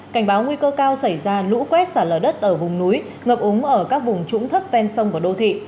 cảnh báo nguy cơ cao xảy ra lũ quét xả lở đất ở vùng núi ngập úng ở các vùng trũng thấp ven sông của đô thị